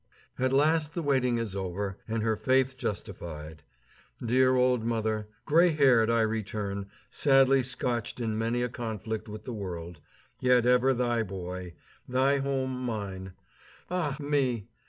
At last the waiting is over, and her faith justified. Dear old mother! Gray haired I return, sadly scotched in many a conflict with the world, yet ever thy boy, thy home mine. Ah me!